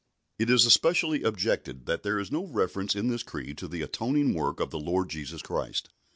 It is especially objected that there is no reference in this Creed to the atoning work of the Lord Jesus Christ.